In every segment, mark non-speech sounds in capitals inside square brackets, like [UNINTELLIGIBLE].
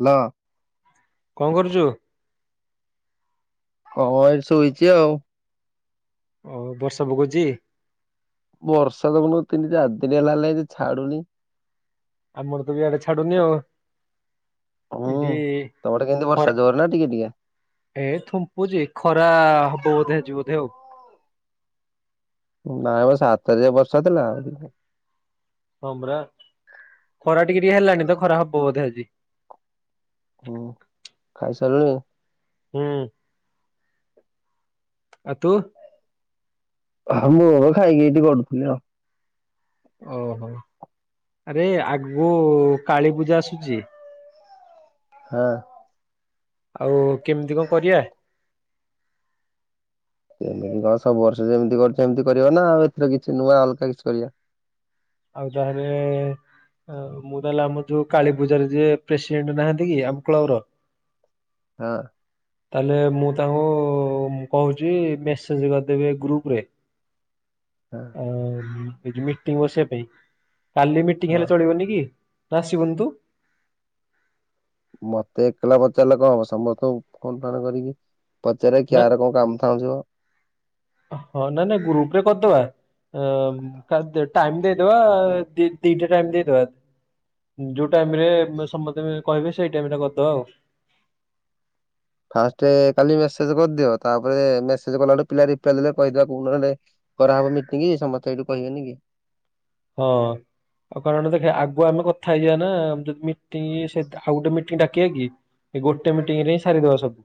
Hello. କଣ କରୁଛୁ? କହଁ ଏଇଠି ଶୋଇଛି ଆଉ। ଓ ବର୍ଷା ପୋଗୁଛି। ବର୍ଷା ତଁ ତିନି ଚାରି ଦିନ ହେଲା ହେଲାଣି ଛାଡୁନି। ଆମର ତ ବି ଇଆଡେ ଛା ଛାଡ଼ୁନୀ ଆଉ ହୁଁ ଏଦି ତମ ଆଡେ କେମିତି ବର୍ଷା ଖରା ଜୋର ନା ଟିକେ ଟିକେ? ଏଇ ଥୁମ୍ପୁଛି ଖରା ହବ ବୋଧେ ଆଜି ବୋଧେ ଆଉ। ନାଇଁ ମ ସାତତାରିଖ ବର୍ଷ ଥିଲା ଆଉ। ହଁ ପରା। ଖରା ଟିକେ ଟିକେ ହେଲାଣି ତ ଖରା ହବ ବୋଧେ ଆଜି। ହୁଁ, ଖାଇସାରିଲଣି। ହୁଁ। ଆ ତୁ। ହଁ ମୁଁ ଖାଇକି ଏଇଠି ଗଡୁଥିଲି ଆଉ ଓହୋ! ଆରେ ଆଗକୁ କାଳୀ ପୂଜା ଆସୁଛି। ହଁ। ଆଉ କେମିତି କଣ କରିବା? ଏମିତି କଣ ସବୁ ବର୍ଷ ଯେମିତି କରୁଛ ଏମିତି କରିବା ନା। ଆଉ ଏଥିରେ କିଛି ନୂଆ ଅଲଗା କିଛି କରିବା। ଆଉ ତାହେଲେ [UNINTELLIGIBLE] ଆଉ ମୁଁ ତାହେଲେ ଆମର ଯୋଉ କାଳୀ ପୂଜାରେ ଯିଏ ପ୍ରେସିଡେଣ୍ଟ ନାହାନ୍ତି କି ଆମ କ୍ଲବର। ହଁ ତାହେଲେ ମୁଁ ତାଙ୍କୁ କହୁଛି ମେସେଜ କରିଦେବେ ଗ୍ରୁପରେ। ହଁ ଆଁ ମିଟିଂ ବସିବା ପାଇଁ କାଲି ମିଟିଂ ହଁ। ହେଲେ ଚଳିବନି କି? ଆସିବୁନୁ ତୁ? ମତେ ଏକେଲା ପଚାରିଲେ କଣ ହବ ସମସ୍ତଙ୍କୁ ଫୋନ୍ ଫାନ କରିକି ପଚାର ନା କିହାର କଣ କାମ ଥାଉ ଥିବ। ହଁ ନାଇଁ ନାଇଁ ଗ୍ରୁପରେ କରିଦବା। ହଁ ଟାଇମ ଦେଇଦବା ଦି ଦିଟା ଟାଇମ୍ ଦେଇଦବା। ଯୋଉ ଟାଇମରେ ସମସ୍ତେ କହିବେ ସେଇ ଟାଇମରେ କରିଦବା ଆଉ। ଫାଷ୍ଟ କାଲି ମେସେଜ କରିଦିଅ ତାପରେ ମେସେଜ କଲା ଗୋଟେ ପିଲା ରିପ୍ଲାଏ ଦେଲେ କହିଦବା କଉ ଦିନ ଗୋଟେ କରାହବ ମିଟିଙ୍ଗ ସମସ୍ତେ ସେଇଠୁ କହିବେନି କି। ହଁ ଆଉ କାରଣ ଦେଖେ ଆଗୁଆ ଆମେ କଥା ହେଇଯିବା ନା ଯଦି ମିଟିଂ ସେଇ ଆଉ ଗୋଟେ ମିଟିଂ ଡାକିବା କି? ଏ ଗୋଟେ ମିଟିଂରେ ହିଁ ସାରିଦବା ସବୁ।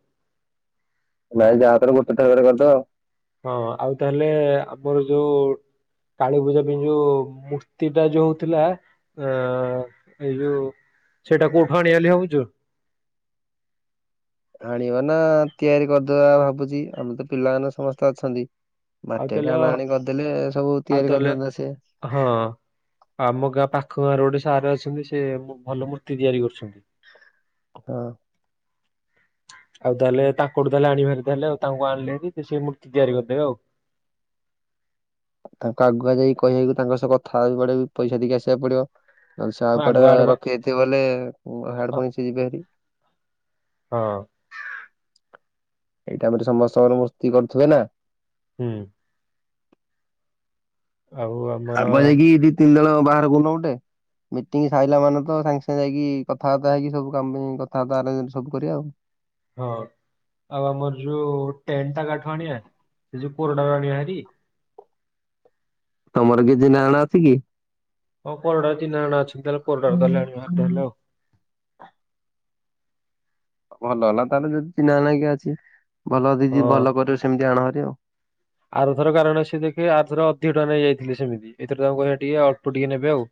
ନାଇଁ ଯାହା ଗୋଟେ ଥରକେ କରିଦବା। ହଁ ଆଉ ତାହେଲେ ଆମର ଯୋଉ କାଳୀ ପୂଜା ପାଇଁ ଯୋଉ ମୂର୍ତ୍ତିଟା ଯୋଉ ହଉଥିଲା। ଆଁ ଏଇ ଯୋଉ ସେଇଟା କୋଉଠୁ ଆଣିବା ବୋଲି ଭାବୁଛୁ? ଆଣିବା ନା ତିଆରି କରିଦବା ଭାବୁଛି ଆମର ତ ପିଲାମାନେ ସମସ୍ତେ ଅଛନ୍ତି। ଆଉ ମାଟିଆ ତାହେଲେ କାର୍ଡ ଆଣି କରିଦେଲେ ସବୁ ଆଉ ତିଆରି ତାହେଲେ କରିଦିଅନ୍ତା ସେ। ହଁ ଆମ ଗାଁ ପାଖ ଗାଁରେ ଗୋଟେ ସାର ଅଛନ୍ତି ସେ ଭଲ ମୂର୍ତ୍ତି ତିଆରି କରୁଛନ୍ତି। ହଁ ଆଉ ତାହେଲେ ତାଙ୍କଠୁ ତାହେଲେ ଆଣିିବାହେରି ତାହେଲେ ଆଉ ତାଙ୍କୁ ଆଣିଲେ ଭାରି ସେ ମୂର୍ତ୍ତି ତିଆରି କରିଦେବେ ଆଉ। ତାଙ୍କୁ ଆଗୁଆ ଯାଇିକି କହିିବାକି ତାଙ୍କ ସହ କଥା ହେବାକୁ ପଡିବ, ପଇସା ଦେଇକି ଆସକୁ ପଡିବ। ଯଦି ସେ ହଁ ଆଉ କୁଆଡେ ଆଗୁଆ ଆଡଭା ରଖିଦେଇଥିବ ହେଲେ ହିଆଡେ ପୁଣି ସେ ଯିବ ହେରି। ହଁ ଏଇ ଟାଇମରେ ସମସ୍ତଙ୍କର ମୂର୍ତ୍ତି କରୁଥିବେ ନା? ହୁଁ ଆଉ ଆମର ଆଗୁଆ ଯାଇକି ଦି ତିନି ଜଣ ବାହାର କରୁନ ଗୋଟେ। ମିଟିଙ୍ଗ ସାରିଲାମାନେ ତ ସାଙ୍ଗେ ସାଙ୍ଗେ ଯାଇକି କଥାବାର୍ତ୍ତା ହେଇିକି ସବୁ କାମ ପାଇଁ କଥାବାର୍ତ୍ତା ସବୁ କରିବା ଆଉ। ହଁ ଆଉ ଆମର ଯୋଉ ଟେଣ୍ଟଟା କାହାଠୁ ଆଣିବା ସେ ଯୋଉ କୋରଡ଼ାରୁ ଆଣିବା ହେରି। ତମର କିଏ ଚିହ୍ନା ଜଣା ଅଛି କି? ହଁ କୋରଡାରେ ଚିହ୍ନା ଜଣା ଅଛନ୍ତି ତାହେଲେ କୋରଡ଼ାରୁ ତାହାଲେ ଆଣିବାହାରି ନହେଲେ ଆଉ। ଭଲ ହେଲା ତାହେଲେ ଯଦି ଚିହ୍ନା ଜଣା କିିଏ ଅଛି, ଭଲ ଜଦି ଯିଏ ହଁ। ଭଲ କରିବ ସେମିତି ଆଣହେରି ଆଉ। ଆରଥର କାରଣ ସେ ସିଏ ଦେଖେ ଆରଥର ଅଧିକ ଟଙ୍କା ନେଇଯାଇଥିଲେ ସେମିତି ଏଥିରେ ତାଙ୍କୁ କହିବା ଟିକେ ଅଳ୍ପ ଟିକେ ନେବେ ଆଉ।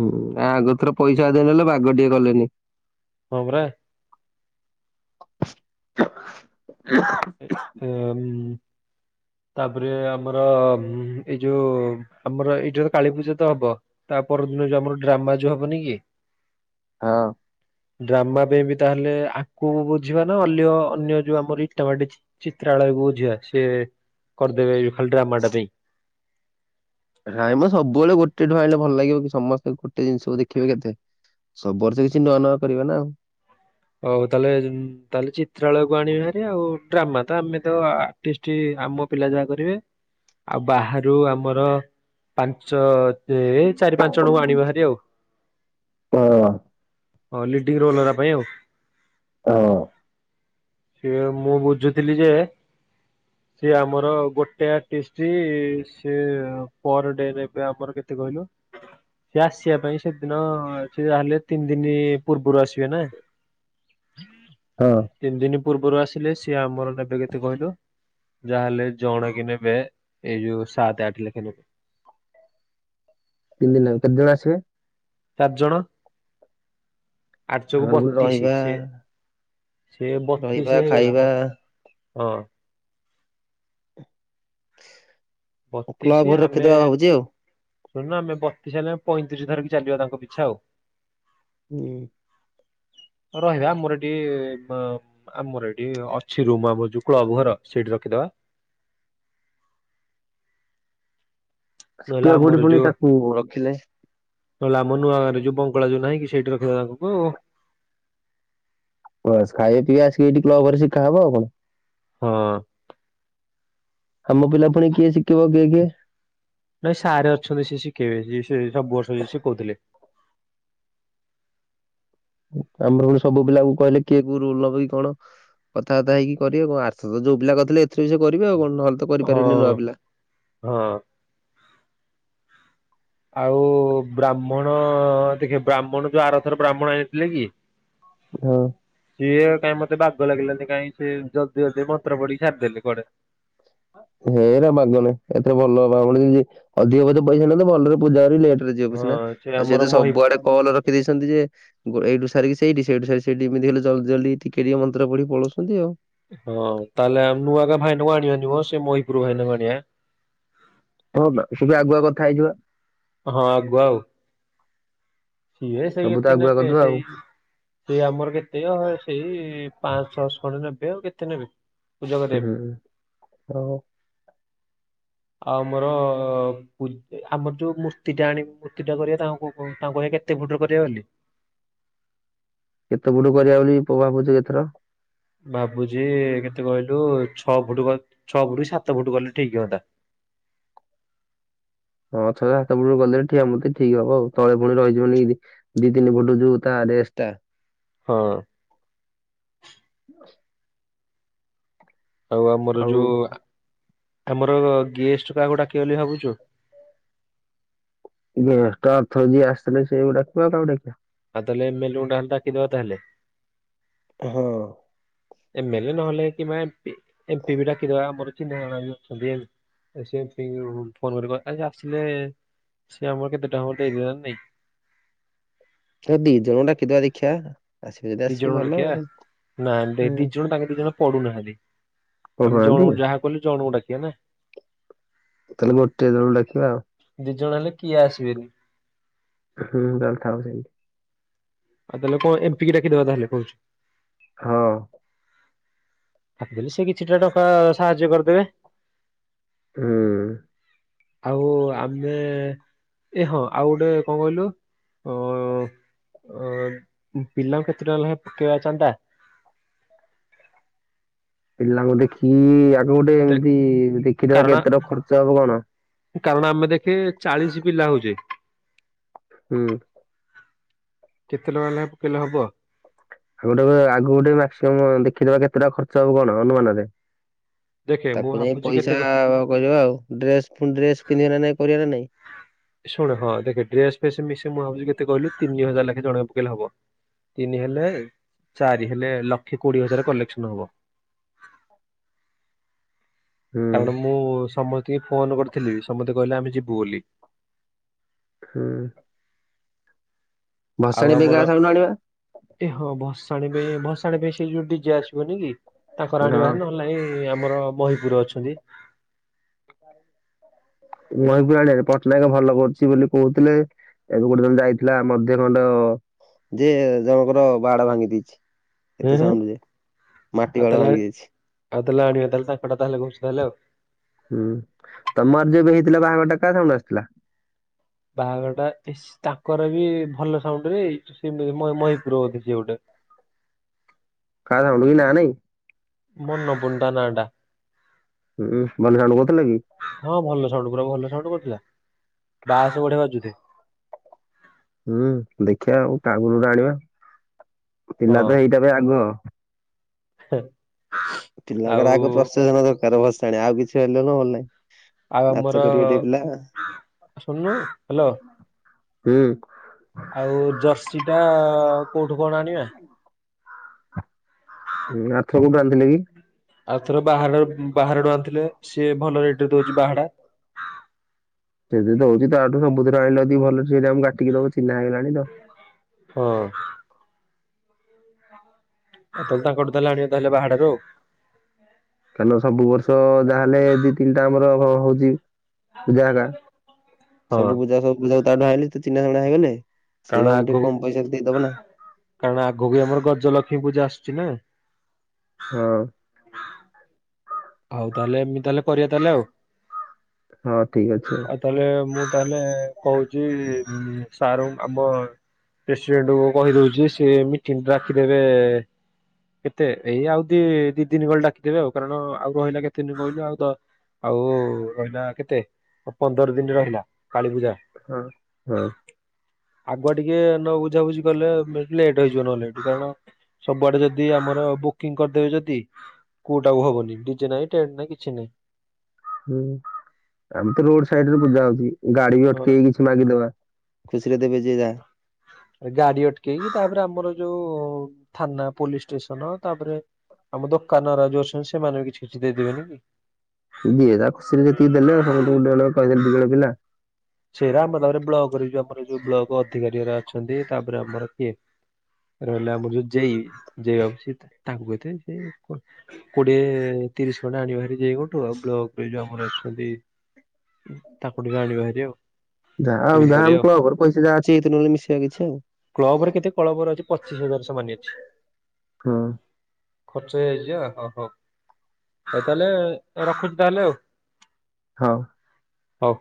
ହୁଁ ୟା ଆଗଥର ପଇସା ଅଧିକ ନେଲେ ବାଗ ଟିକେ କଲେନି। ହଁ ପରା। [UNINTELLIGIBLE] ହମ୍ ତାପରେ ଆମର ଏଇ ଯୋଉ ଆମର ଏଇଠି ଗୋଟେ କାଳୀପୂଜା ତ ହବ। ତା ପର ଦିନ ଯୋଉ ଆମର ଡ୍ରାମା ଯୋଉ ହବନି କି। ହଁ ଡ୍ରାମା ପାଇଁ ବି ତାହେଲେ ଆଙ୍କୁ ବୁଝିବା ନା ଅଲ୍ୟ ଅନ୍ୟ ଯୋଉ ଆମର ଏଇ ଇଟାବାଟି ଚିତ୍ରାଳୟକୁ ବୁଝିିବା ସେ କରିଦେବେ ଖାଲି ଡ୍ରାମାଟା ପାଇଁ। ନାଇଁ ମ ସବୁବେଳେ ଗୋଟେଠୁ ଆଣିଲେ ଭଲ ଲାଗିବ କି ସମସ୍ତେ ଗୋଟେ ଜିନିଷକୁ ଦେଖିବେ କେତେ? ସବୁ ବର୍ଷ କିଛି ନୂଆ ନୂଆ କରିବା ନା ଆଉ। ଅ ଉ ତାଲେ ତାହେଲେ ଚିତ୍ରାଳୟକୁ ଆଣିବେ ହେରି ଆଉ ଡ୍ରାମା ତ ଆମେ ତ ଆର୍ଟିଷ୍ଟ ଆମ ପିଲା ଯାହା କରିବେ ଆଉ ବାହାରୁ ଆମର ପାଞ୍ଚ ଯେ ଚାରି ପାଞ୍ଚ ଜଣଙ୍କୁ ଆଣିବା ହେରି ଆଉ ହଁ ଲିଡିଙ୍ଗ ରୋଲ୍ ପାଇଁ ଆଉ ହଁ ସେଏ ମୁଁ ବୁଝୁଥିଲି ଯେ [UNINTELLIGIBLE] ସେି ଆମର ଗୋଟେ ଆର୍ଟିଷ୍ଟ ସେ ପର୍ ଡେ ନେବେ ଆମର କେତେ କହିଲୁ ସି ଆସିବା ପାଇଁ ସେଦିନ ସେ ତାହେଲେ ତିନି ଦିନ ପୂର୍ବରୁ ଆସିବେ ନା ହୁଁ [UNINTELLIGIBLE] ହଁ ତିନି ଦିନ ପୂର୍ବରୁ ଆସିଲେ ସିଏ ଆମର ନେବେ କେତେ କହିଲୁ ଯାହାହେଲେ ଜଣ କେ ନେବେ ଏଇ ଯୋ ସାତ ଆଠ ଲେଖା ନେବେ ତିି ଦିନ ଲଗବ କେତେ ଜଣ ଆସେ ଚାରି ଜଣ ଆଠଶ କୁ ତାଙ୍କର ପୁଣି ବତିଶ ରହିବା ସେି ସେ ରହିବା ବତିଶ ହେଇଗଲା ଖାଇବା ବ ହଁ କ୍ଲବ୍ ଘରେ ରଖିଦବା ଭାବୁଛି ଆଉ ଶୁଣୁ ଆମେ ବତିଶ ହେଲେେ ପଁତିରିଶ ଧରିକି ଚାଲିବା ତାଙ୍କ ପିଛା ଆଉ ହୁଁ ରହିବା ମୋର ଏଟି ଆମର ଏଠି ଅଛି ରୁମ ଆବ ଯୁକୁଳ ବାବୁ ଘର ସେଇଠି ରଖିଦବା ସେ ନହେଲେ ପୁଆ ଆମର କୋଉଠି ପୁଣି ତାକୁ ରଖିଲେ ନଲେ ଆମ ନୂଆ ଘରେ ବଙ୍ଗଳା ଯୋଉ ନାହିଁ କି ସେଇଠି ରଖିଦବା ତାଙ୍କୁଉ ବସ୍ ଖାଇବା ପିଇବାସି ଏଇଠି୍ କ୍ଲବ୍ ରେ ଶିଖା ହବ ଆଉ କଣ ହଁ ଆମ ପିଲା ପୁଣି କିଏ ଶିଖିବ କିଏ କିଏ ନାଇଁ ସାରେ ଅଛନ୍ତି ସିଏ ଶିଖେଇବେ ସିଏ ସବୁ ବର୍ଷ ଯିଏ ଶିକହୁଥିଲେ ଆମର ପୁଣି ସବୁ ପିଲାକୁ କହିଲେ କିଏ କୋଉ ରୋଲ ନବ କି କଣ କଥାବାର୍ତା ହେଇକିିବେ କଣ ଆର୍ଥ ତ ଯୋଉ ପିଲା କରିଥିଲେ ଏରେ ବି ସେ କରିବେ ଆଉ କଣ ନହେଲେ ତ ହଁ। କରିପିବନି ନୂଆ ପିଲା ହଁ ଆଉ ବ୍ରାହ୍ମଣ ଦେଖିବ ବ୍ରାହ୍ମଣ ଯୋଉ ଆରଥର ବ୍ରାହ୍ମଣ ଆଣିଥିଲେ କି ହଁ ସିଏ କାହିଁ ମତେ ବା ଲାଗିଲାନି କାଇହିଁ ସିଏ ଜଲଦି ଜଲଦି ମନ୍ତ୍ର ପଡିକି ଛାରିଦେଲେ କୁଆଡ଼େ ହେଇ ବାଗ ନାଇ ଏତେ ଭଲ ହବ ଆ ଅଧିକ ଅଧ ପଇସା ନ ତ ଭଲରେ ପୂଜା ଲେଟ ଯିବ ହଁ ସନା ସେ ଆଉ ଆମର ସେତ ମହି ସବୁଆଡେ କଲ ରଖି ଦେଇେଇଛନ୍ତି ଯେ ଗ ଏଇଠୁ ସାରିକି ସେଠ ସେଇଠୁ ସାରି ସେଠ ଏମିତି ହେଲେ ଜଲଦି ଜଲଦି ଟିକେ ଟିକେ ମନ୍ତ୍ର ପଢି ପଳଉଛନ୍ତି ଆଉ ହଁ ତାହେଲେ ନୂଆ କ ଭାଇନାଙ୍କୁ ଆଣିବା ନିବ ସେ ମହିପୁର ଭାଇନାଙ୍କୁ ଆଣିବା ହଁ ତେବେ ଆଗୁଆ କଥା ହେଇଯିବା ହଁ ଆଗୁଆ ଆଉ [UNINTELLIGIBLE] ସିଏ ସେଇ ସବୁ ତ ଏତେ ଆଗୁଆ ନେପେ କରିଦବା ଆଉ ସେଇ ସିଏ ଆମର କେତେ ଅହ ସେଇ ପାଁଶ ଛଅଶ ଖଣ୍ଡେ ନେବେ ଆଉ କେତେ ନେବେ। ପୂଜା ହଁ କରିବା ପାଇଁ। ହଉ। ଆମର ପୂ ଆମର ଯୋଉ ମୂର୍ତ୍ତି ଟା ଆଣି ମୂର୍ତ୍ତି ଟା କରିବା ତାଙ୍କୁ ଙ୍କୁ ଙ୍କୁ ତାଙ୍କୁ କହିବା କେତ ତେ ଫୁଟୁର କରିବା ବୋଲି? କେତେ ଫୁଟୁ କରିବା ବୋଲି ପ ଭାବୁଚୁ ଏଥର। ଭାବୁଚି ଇ ଇ କେତେ କହିଲୁ ଛଅ ଫୁଟୁ ବା ଛଅ ଫୁଟୁ କି ସାତ ଫୁଟୁ କଲେ ଠିକ୍ ହଅନ୍ତା। ହଁ ଛଅ ସାତ ଫୁଟୁ କଲେ ଠିଆ ମୂର୍ତ୍ତି ଠିକ୍ ହବ ଆଉ ତଳେ ପୁଣି ରହିଯିବ ନିକି ଦି ଦି ତିନି ଫୁଟୁ ଯୋଉ ତା ରେସ୍ ଟା। ହଁ। ହ ଆଉ ଆମର ଯୋଉ ଆ ଆମର ଗେଷ୍ଟ କାହାକୁ ଡ଼ାକିବା ବୋଲି ଭାବୁଚୁ? ଗେଷ୍ଟେ ଆରଥର ଯିଏ ଆସିଥିଲେ ସେ କୁ ଡ଼ାକବା ଆଉ କାହାକୁ ଡାକିବା। ଆଉ ତାହାଲେ ଏମ୍ ଏଲ ଏ ଙ୍କୁ ଟାହାଲ ଡାକିଦେବା ତାହାଲେ। ହଁ। ଏମ ଏଲ ଏ ନହେଲେ କିମ୍ବା ଏମ ପି ଏମ ପି ବି ଡାକିଦବା ଆମର ଚିହ୍ନା ଜଣା ବି ଅଛନ୍ତି ଏମ୍ ଏ ସେ ଏତିକି ବେଳୁକୁ ଫୋନ କରି କ ଆରେ ସିଏ ଆସିଲେ ସିଏ ଆମର କେତେ ଟା ହବ ଡେରିହେଲା ନା ନାଇଁ। ତ ଦି ଜଣକୁ ଡ଼ାକିଦବା ଦେଖିଆ। ଆସିବେ ଯଦି ଦି ଆସିବେ ଜଣଙ୍କୁ ଭଲ ଆଉ। ଡାକିବା ନା ଦେଖ ଦି ହୁଁ। ଜଣ ତାଙ୍କ ଦି ଜଣ ପଡୁନାହାନ୍ତି ଆମେ ପଢୁନାହାନ୍ତି ଜଣୁ ଯାହାକୁ ହେଲେ ଜଣୁକୁ ଡାକିବା ନା। ତାହେଲେ ଗୋଟେ ଦଳକୁ ଡ଼ାକିବା ଆଉ। ଦି ଜଣ ହେଲେ କିଏ ଆସିବେନି। ହୁଁ ତାହାଲେ ଥାଉ ସେମତି। ଆଉ ତାହଲେ କଣ ଏମ୍ ପି କି ଡାକିଦବା ତାହାଲେ କହୁଚୁ। ହଁ। ଡ଼ାକିଦେଲି ସେ କିଛିଟା ଟଙ୍କା ଆ ଆ ସାହାଯ୍ୟ କରିଦେବେ। ହୁଁ। ଆଉ ଆମେ ଏ ହଁ ଆଉ ଗୋଟେ କଣ କହିଲୁ ଅଁ ଅଁ ଅଁ ପିଲାଙ୍କୁ କେତେ ଟଙ୍କା ଲାଖେ ପକେଇବା ଚାନ୍ଦା? ପିଲାଙ୍କୁ ଦେଖିକି ଇ ଇ ଆଗ ଗୋଟେ ଦେ- ଏମତି ଇ ଇ ଦେଖିଦେବା କାରଣ କେତେ ଟ ଖର୍ଚ୍ଚ ହବ କଣ। କାରଣ ଆମେ ଦେଖେ ଚାଳିଶ ପିଲା ହଉଚେ। ହୁଁ। କେତେ ଟଙ୍କା ଲାଖେ ପକେଇଲେ ହବ? ଆଉ ଗୋଟେ ଆଗ ଗୋଟେ ମାକ୍ସିମମ୍ ଦେଖିଦବା କେତେ ଟା ଖର୍ଚ୍ଚ ହବ କଣ ଅନୁମାନରେ। ଦେଖେ ମୁଁ ତାକୁ ଯାଇଁ ଭାବୁଛି କେତେ ପଇସା କହିଦବା ଆଉ ଡ୍ରେସ ଫୁଣି ଡ୍ରେସ ପିନ୍ଧିବା ନା ନାଇଁ କରିବା ନା ନାଇଁ? ଶୁଣ ହଁ ଦେଖେ ଡ୍ରେସ୍ ଫ୍ରେସ୍ ମିଶି ମୁଁ ଭାବୁଚି କେତେ କହିଲୁ ତିନି ହଜାର ଲାଖେ ଜଣକେ ପକେଇଲେ ହବ। ତିନି ହେଲେ ଚାରି ହେଲେ ଲକ୍ଷେ କୋଡ଼ିଏ ହଜାରେ କଲେକ୍ସନ ହବ। ହୁଁ କାରଣ ମୁଁ ସମସ୍ତିଙ୍କି ଫୋନ କରିଥିଲି ସମତେ କହିଲେ ଆମେ ଯିବୁ ବୋଲି। ହୁଁ। ଆଉ ଭସାଣି ପାଇଁ ଆମର କାହା ସାଉଣ୍ଡ ଆଣିବା? ଏ ହଁ ଭସାଣି ପେଇଁ ଭସାଣି ପାଇଁ ସେ ଯୋଉ ଡିଜ୍ ଜେ ଆସିବନି କି ତାଙ୍କର ହଁ ଆଣିବା ଭାରି ନହଲ ନାଇଁ ଇ ଇ ଆମର ମହିପୁର ଅଛନ୍ତି। ହ ହ ମହିପୁର ଆଡେ ପଟ୍ଟନାୟକ ଭଲ କରୁଚି ବୋଲି କହୁଥିଲେ। ଏବେ ଗୋଟେ ଜଣ ଯାଇଥିଲା ମଧ୍ୟ ଖଣ୍ଡ ଯେ ଜଣଙ୍କର ବାଡ ଭାଙ୍ଗି ଦେଇଛି। ହୁଁ ଏତେ ହୁଁ ସାଉଣ୍ଡ ଆଉ ମାଟି [UNINTELLIGIBLE] ତାହେଲେ ଭାଙ୍ଗି ଯାଇଛି। ଆଉ ଦେଲେ ଆଣିବା [UNINTELLIGIBLE] ତା ହେଲେ ଆଉ। ହୁଁ ତମର ଯୋଉ ବି ହେଇଥିଲା ବାହାଘର ଟା କା ସାଉଣ୍ଡ ଆସିଥିଲା? ବାହାଘର ଟା ଏ ତାଙ୍କର ବି ଭଲ ସାଉଣ୍ଡ ରେ ମହପର ବଧ ସେଏ ଗୋଟେ କା ସା [UNINTELLIGIBLE] [UNINTELLIGIBLE] ହୁଁ [UNINTELLIGIBLE] କହୁଥିଲେ କି ହଁ ଭଲ ସାଉଣ୍ଡ ଭଲ ସାଉଣ୍ଡ କରୁଥିଲା ବାସ ବଢେଆ ବାଜୁଥଏ। ହୁଁ ଦେଖିବା ଆଉ କାଗଲ ଟା ଆଣିବା ହଁ ପିଲା ତ ହେଇଟା ବି ଆଗ [INAUDIBLE] ଆଉ ପିଲାଙ୍କର ଆଗ ପ୍ରସାଧନ ଦରକାର ଭସାଣି ଆଉ କିଛି ହେଲନ ଭଲ ନାଇଁ ଆଉ ଆମର ଶୁଣୁନୁ ହ୍ୟାଲୋ। ହୁଁ। ଆଉ ଜର୍ସି ଟା କୋଉଠୁ କଣ ଆଣିବା? [UNINTELLIGIBLE] ଆଉଥର ବାହାର ବାହାରେ ଡ ଆନ୍ଣିଥିଲେ ସିଏ ଭଲ ରେଟରେ ଦଉଛି ବାହାଡା। ସେଦି ଦଉଛି ତ ଆଠୁ ସମୁଦ୍ର ଆଣିଲ ଦି ଭଲ ସେଇ ଆମକୁ କାଟିକି ଦବ ଚିହ୍ନା ହେଇଗଲାଣି ତ। ହଁ। ଆଉ ତାହେଲେ ତାଙ୍କଠୁ ତାହେଲେ ଆଣିବା ତାହେଲେ ଵା ହାଡାରୁ ଆଉ। କାରଣ ସବୁ ବର୍ଷ ଯାହାହେଲେ ଦି ତିନିଟା ଆମର ହଉଛି ପୂଜା ହେଗ ହଁ ସବୁପୂଜା ସବୁପୂଜା ତାଠୁ ଆଣିଲି ଚିହ୍ନାଜଣା ହେଇଗଲେ ସେଇ କାରଣ ଆମକୁ ଟିକେ ଆଗକୁ କମ ପଇସାରେ ଦେଇଦବ ନା। କାରଣ ଆଗକୁ ଆମର ଗଜଲକ୍ଷ୍ମୀ ପୂଜା ଆସୁଛି ନା। ହଁ। ଆଉ ତାହେଲେ ଏମିତି ତାହେଲେ କରିବା ତାହେଲେ ଆଉ। ହଁ ଠିକ ଅଛି। ଆଉ ତାହେଲେ ମୁଁ ତାହେଲେ କହୁଛି ଉନ୍ ସାରୁ ଆମ ପ୍ରେସିଡେଣ୍ଟକୁ କହିଦଉଛି ସେ ମିଟିଂ ରାଖିଦେବେ କେତେ ଏଇ ଆଉ ଦି ଦି ଦିନ ଗଲେ ଡାକିଦବେ ଆଉ କାରଣ ଆଉ ରହିଲା କେତେ ଦିନ କହିଲୁ ଆଉ ତ ଆଉ ରହିଲା କେତେ ପନ୍ଦର ଦିନ ରହିଲା କାଳୀପୂଜା। ହଁ ହଁ। ଆଗୁଆ ଟିକେ ନ ବୁଝାବୁଝି କଲେ ଲେଟ୍ ହେଇଯିବ ନହେଲେ କାରଣ ସବୁଆଡେ ଯଦି ଆମର ବୁକିଂ କରିଦେବେ ଯଦି କୋଉଟା ଆଉ ହବନି। ଡିଜେ ନାଇଁ ଟେଣ୍ଟ ନାଇଁ କିଛିନାଇ। ହୁଁ ଆମେ ତ ରୋଡ ସାଇଡରେ ପୂଜା ହଉଛି ଗାଡି ବି ହଁ ଅଟକେଇକି ମାଗିଦବା ଖୁସିରେ ଦେବେ ଯେ ଯାହା। ଗାଡି ଅଟକେଇକି ତାପରେ ଆମର ଯୋଉ ଥାନା ପୋଲିସ ଷ୍ଟେସନ ତାପରେ ଆମ ଦୋକାନ ଯୋଉ ଅଛନ୍ତି ସେମାନେ ବି କିଛି ଖଛି ଦେଇଦେବେନି କି। ଇିଏ ତା ଖୁସିରେ ଯେତିକି ଦେଲେ ସମଗୋଟେ ଜଣ କ କହିହେ ଦିଜଣ ପିଲା ସେଟା ଆମ ତାପରେ ବ୍ଲକରେ ଯଉ ଆମର ଯୋଉ ବ୍ଲକ ଅଧିକାରୀ ଅଛନ୍ତି ତାପରେ ଆମର କିଏ ରହିଲେ ଆମର ଯୋଉ ଜେଇ ଜେଇ ବାବୁ ସି ତାଙ୍କୁ କହିଥିବ ସେ କଣ କୋଡିଏ ତିରିଶ ଖଣ୍ଡେ ଆଣିବାରି ଯେଇଗୋଠୁ ଆଉ ବ୍ଲକ ରେ ଯୋଉ ଆମର ଅଛନ୍ତି ତାକୁଠିକେ ଜାଣିବା ଭାରି ଆଉ ଧ ଏମିତି ଧାମ କରିବା ଆଉ କ ଘର ପଇସା ଯାହା ଅଛି ଏଇ ନହେଲେ ମିଶିବା କିଛି ଆଉ। କ୍ଳବରେ କେତେ କଳବର ଅଛି ପଚିଶ ହଜାର ସମାନ ଅଛି। ହଁ। ଖର୍ଚ୍ଚ ହେଇଯାଇଚି ପା ହଁ ହଉ ହଉ ତାହେଲେ ରଖୁଚି ତାହେଲେ ଆଉ। ହଁ। ହଉ।